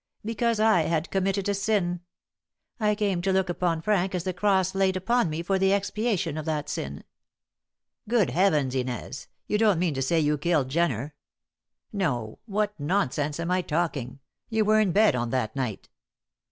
"Because I had committed a sin. I came to look upon Frank as the cross laid upon me for the expiation of that sin." "Good Heavens, Inez! You don't mean to say you killed Jenner? No! What nonsense am I talking? You were in bed on that night."